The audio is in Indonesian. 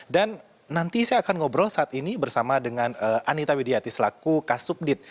nanti saya akan ngobrol saat ini bersama dengan anita widyati selaku kasubdit